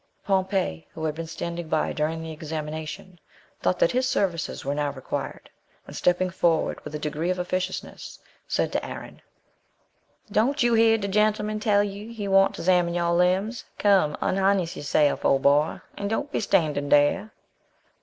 Pompey, who had been standing by during the examination, thought that his services were now required, and stepping forward with a degree of officiousness, said to Aaron, "Don't you hear de gentman tell you he want to zamon your limbs. Come, unharness yeself, old boy, an don't be standing dar."